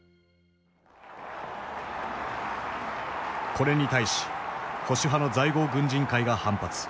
これに対し保守派の在郷軍人会が反発。